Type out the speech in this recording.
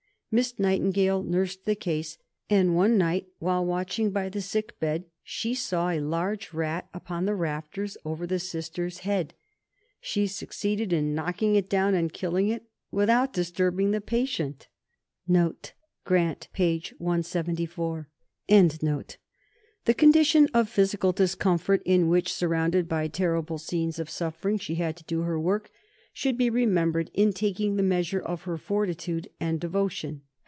Miss Nightingale nursed the case; and one night, while watching by the sick bed, she saw a large rat upon the rafters over the Sister's head; she succeeded in knocking it down and killing it, without disturbing the patient. The condition of physical discomfort in which, surrounded by terrible scenes of suffering, she had to do her work, should be remembered in taking the measure of her fortitude and devotion.